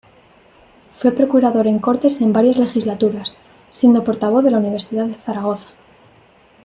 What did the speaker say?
Fue procurador en cortes en varias legislaturas, siendo portavoz de la Universidad de Zaragoza.